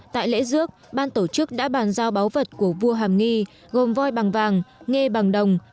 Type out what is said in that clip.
tại lễ dước ban tổ chức đã bàn giao báu vật của vua hàm nghi gồm voi bằng vàng nghe bằng đồng